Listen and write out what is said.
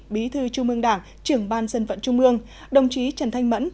bí thư trung mương đảng trưởng ban dân vận trung mương đồng chí trần thanh mẫn